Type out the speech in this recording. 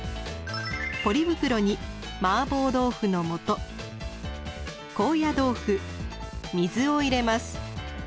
ポリ袋にマーボー豆腐のもと高野豆腐水を入れます。